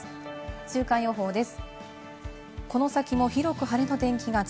週間予報です。